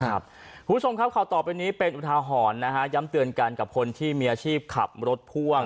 คุณผู้ชมครับเท่าที่ต่อไปอุรถาหอธิการย้ำเตือนกันกับคนที่มีอาชีพขับรถพ่วง